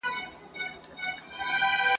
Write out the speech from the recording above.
څرګندونه کړې وه